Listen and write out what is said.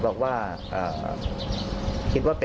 ต้องจบไอตัวกล้องจรปิด